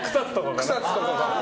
草津とかか。